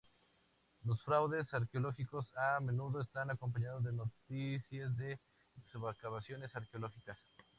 Los fraudes arqueológicos a menudo están acompañados de noticias de excavaciones arqueológicas.